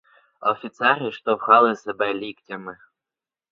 Офіцери штовхали себе ліктями.